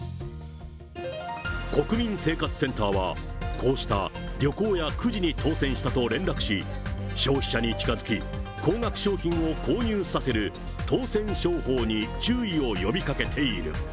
国民生活センターは、こうした旅行やくじに当せんしたと連絡し、消費者に近づき、高額商品を購入させる当せん商法に注意を呼びかけている。